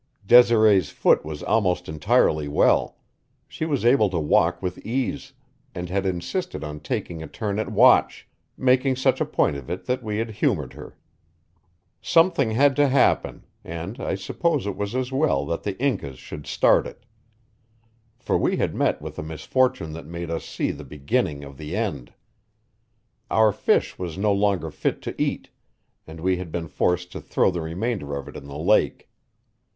Desiree's foot was almost entirely well; she was able to walk with ease, and had insisted on taking a turn at watch, making such a point of it that we had humored her. Something had to happen, and I suppose it was as well that the Incas should start it. For we had met with a misfortune that made us see the beginning of the end. Our fish was no longer fit to eat, and we had been forced to throw the remainder of it in the lake.